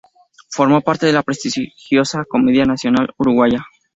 Formó parte de la prestigiosa Comedia Nacional Uruguaya.